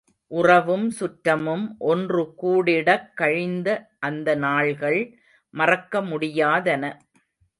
உறவும் சுற்றமும் ஒன்று கூடிடக் கழிந்த அந்த நாள்கள், மறக்க முடியாதன.